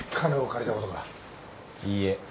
いいえ。